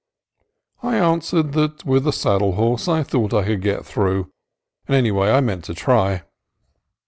I answered that with a saddle horse I thought I could get through, and anyway I meant to try.